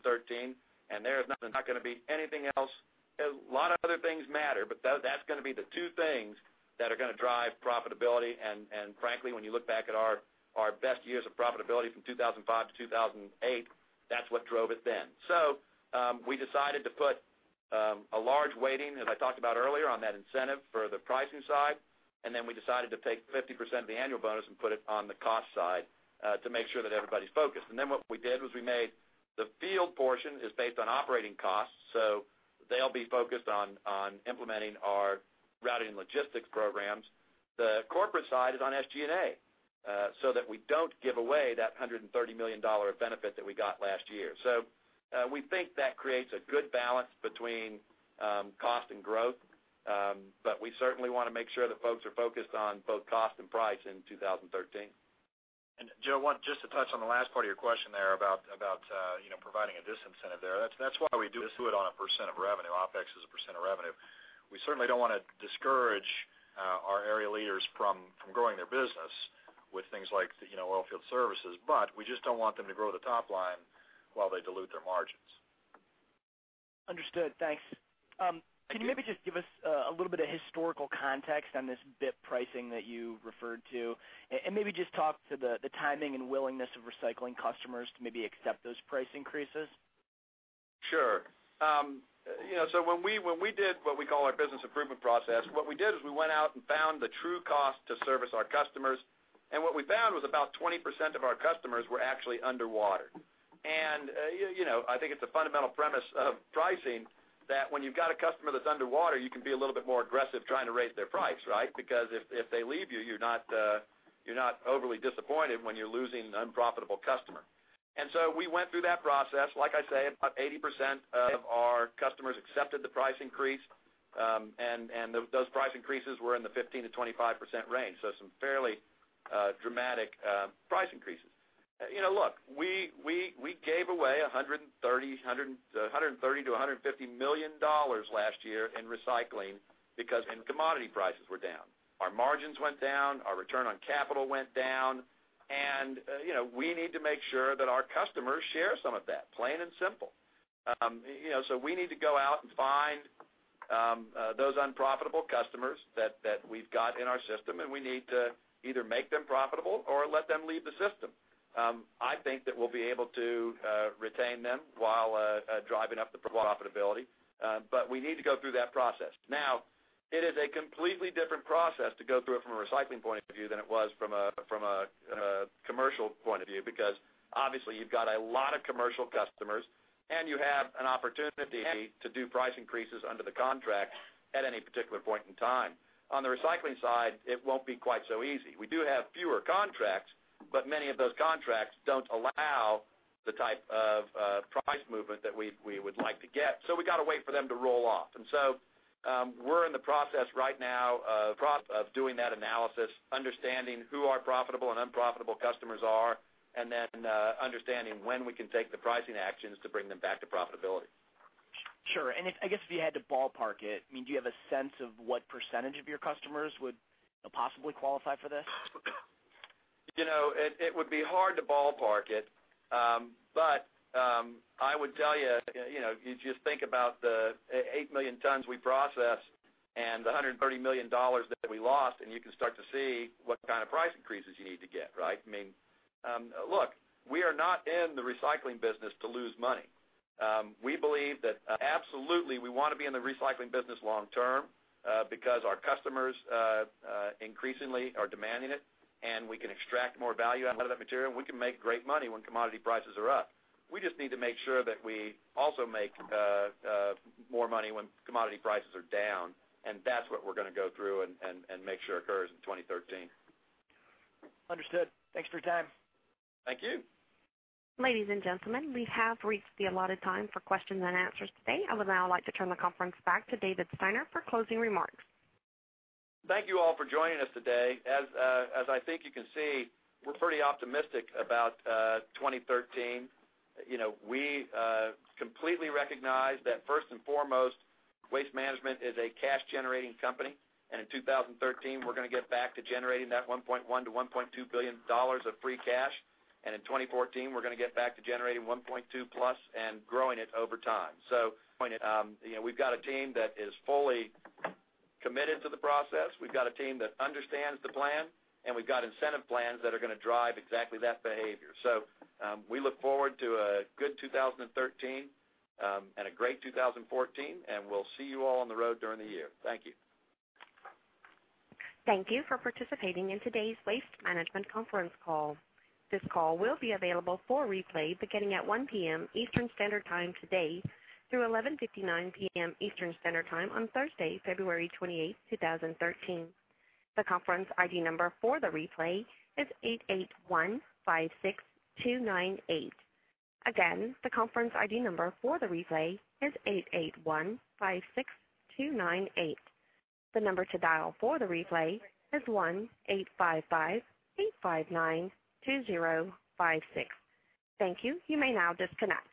S3: there is not going to be anything else. A lot of other things matter, but that's going to be the two things that are going to drive profitability. Frankly, when you look back at our best years of profitability from 2005 to 2008, that's what drove it then. We decided to put a large weighting, as I talked about earlier, on that incentive for the pricing side, and then we decided to take 50% of the annual bonus and put it on the cost side to make sure that everybody's focused. What we did was we made the field portion is based on operating costs, so they'll be focused on implementing our routing logistics programs. The corporate side is on SG&A, so that we don't give away that $130 million of benefit that we got last year. We think that creates a good balance between cost and growth, but we certainly want to make sure that folks are focused on both cost and price in 2013.
S4: Joe, just to touch on the last part of your question there about providing a disincentive there. That's why we do it on a % of revenue. OpEx is a % of revenue. We certainly don't want to discourage our area leaders from growing their business with things like oil field services, but we just don't want them to grow the top line while they dilute their margins.
S11: Understood. Thanks.
S3: Yeah.
S11: Can you maybe just give us a little bit of historical context on this BIP pricing that you referred to? Maybe just talk to the timing and willingness of recycling customers to maybe accept those price increases.
S3: Sure. When we did what we call our business improvement process, what we did is we went out and found the true cost to service our customers. What we found was about 20% of our customers were actually underwater. I think it's a fundamental premise of pricing that when you've got a customer that's underwater, you can be a little bit more aggressive trying to raise their price, right? Because if they leave you're not overly disappointed when you're losing an unprofitable customer. We went through that process. Like I say, about 80% of our customers accepted the price increase, and those price increases were in the 15%-25% range, so some fairly dramatic price increases. Look, we gave away $130 million-$150 million last year in recycling because commodity prices were down. Our margins went down, our return on capital went down. We need to make sure that our customers share some of that, plain and simple. We need to go out and find those unprofitable customers that we've got in our system. We need to either make them profitable or let them leave the system. I think that we'll be able to retain them while driving up the profitability. We need to go through that process. It is a completely different process to go through it from a recycling point of view than it was from a commercial point of view. Obviously you've got a lot of commercial customers and you have an opportunity to do price increases under the contract at any particular point in time. On the recycling side, it won't be quite so easy. We do have fewer contracts. Many of those contracts don't allow the type of price movement that we would like to get. We got to wait for them to roll off. We're in the process right now of doing that analysis, understanding who our profitable and unprofitable customers are, and then understanding when we can take the pricing actions to bring them back to profitability.
S11: Sure. I guess if you had to ballpark it, do you have a sense of what percentage of your customers would possibly qualify for this?
S3: It would be hard to ballpark it. I would tell you, if you just think about the 8 million tons we process and the $130 million that we lost, you can start to see what kind of price increases you need to get, right? Look, we are not in the recycling business to lose money. We believe that absolutely we want to be in the recycling business long term because our customers increasingly are demanding it, we can extract more value out of that material, we can make great money when commodity prices are up. We just need to make sure that we also make more money when commodity prices are down, that's what we're going to go through and make sure occurs in 2013.
S11: Understood. Thanks for your time.
S3: Thank you.
S1: Ladies and gentlemen, we have reached the allotted time for questions and answers today. I would now like to turn the conference back to David Steiner for closing remarks.
S3: Thank you all for joining us today. As I think you can see, we're pretty optimistic about 2013. We completely recognize that first and foremost, Waste Management is a cash-generating company, and in 2013, we're going to get back to generating that $1.1 to $1.2 billion of free cash. In 2014, we're going to get back to generating $1.2 billion plus and growing it over time. We've got a team that is fully committed to the process. We've got a team that understands the plan, and we've got incentive plans that are going to drive exactly that behavior. We look forward to a good 2013 and a great 2014, and we'll see you all on the road during the year. Thank you.
S1: Thank you for participating in today's Waste Management conference call. This call will be available for replay beginning at 1:00 PM Eastern Standard Time today through 11:59 PM Eastern Standard Time on Thursday, February 28, 2013. The conference ID number for the replay is 88156298. Again, the conference ID number for the replay is 88156298. The number to dial for the replay is 1-855-859-2056. Thank you. You may now disconnect.